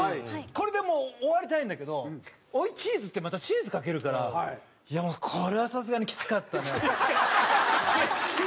これでもう終わりたいんだけど追いチーズってまたチーズかけるからいやもうこれはさすがにきつかったね。